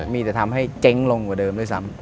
มีแต่ทำให้เจ๊งลงกว่าเดิมด้วยซ้ำ